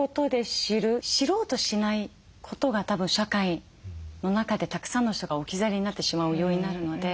知ろうとしないことがたぶん社会の中でたくさんの人が置き去りになってしまう要因になるので。